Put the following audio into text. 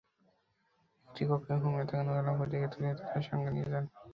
একটি কক্ষে ঘুমিয়ে থাকা নূর আলমকে ডেকে তুলে তাঁদের সঙ্গে নিয়ে যান।